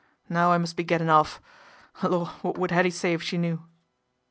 Now I must be gettin' off. Lor ! what would 'Ettie say if she knew